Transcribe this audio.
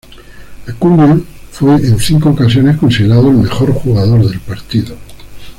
Acuña fue en cinco ocasiones considerado el mejor jugador del partido.